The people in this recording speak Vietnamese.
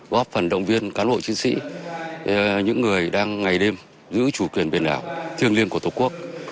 góp phần động viên cán bộ chiến sĩ những người đang ngày đêm giữ chủ quyền biển đảo thiêng liêng của tổ quốc